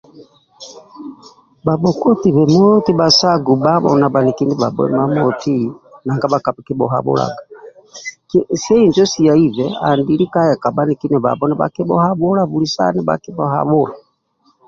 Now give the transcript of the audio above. Bhabhokoti bemoti bhasagu bhabho na bhaniki ndibhabho nanga bhakakibhuhabhulaga sie injo siaibe andi eka bhaniki ndibhabho andulu bhalike nibhakibhuhabhula buli saha nibhakibhuhabhula